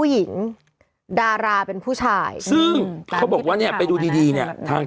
หลานเป็นผู้หญิง